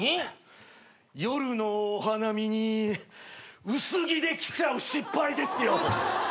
夜のお花見に薄着で来ちゃう失敗ですよ。